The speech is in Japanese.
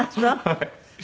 はい。